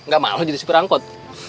gak malu jadi si perangkut